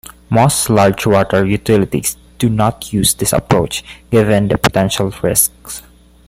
Most large water utilities do not use this approach, given the potential risks.